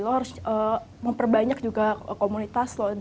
lo harus memperbanyak juga komunitas lo